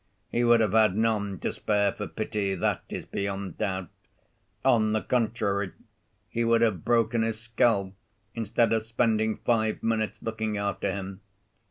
He would have had none to spare for pity, that is beyond doubt. On the contrary, he would have broken his skull instead of spending five minutes looking after him.